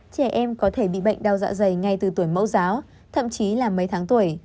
trẻ em có thể bị bệnh đau dạ dày ngay từ tuổi mẫu giáo thậm chí là mấy tháng tuổi